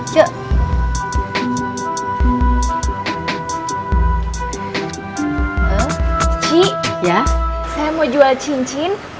saya mau jual cincin